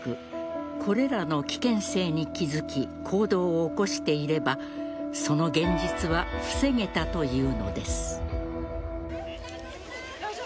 これらの危険性に気付き行動を起こしていればその現実は防げたというのです。